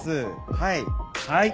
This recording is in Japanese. はい。